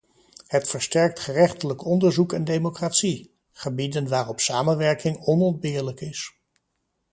Het versterkt gerechtelijk onderzoek en democratie - gebieden waarop samenwerking onontbeerlijk is.